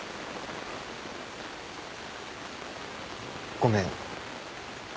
ごめん。